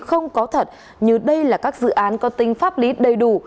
không có thật như đây là các dự án có tính pháp lý đầy đủ